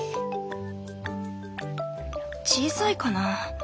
小さいかな？